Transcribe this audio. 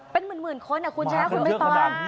เป็นหมื่นคนอ่ะคุณแชลไม่ต่อ